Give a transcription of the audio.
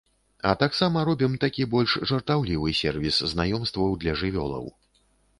А таксама робім такі больш жартаўлівы сервіс знаёмстваў для жывёлаў.